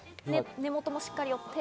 根元もしっかり追って。